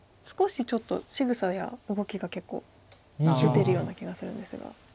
少しちょっとしぐさや動きが結構出てるような気がするんですが。